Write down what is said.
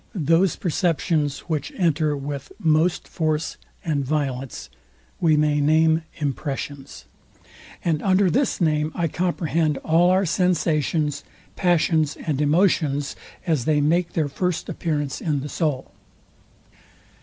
Those perceptions, which enter with most force and violence, we may name impressions: and under this name I comprehend all our sensations, passions and emotions, as they make their first appearance in the soul.